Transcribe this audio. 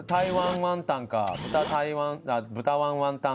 ワンワン。